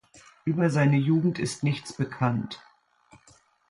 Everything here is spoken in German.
Über seine Jugend ist nichts bekannt.